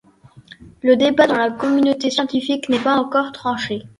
Le débat dans la communauté scientifique n'est pas encore tranché.